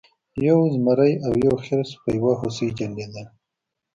یو زمری او یو خرس په یو هوسۍ جنګیدل.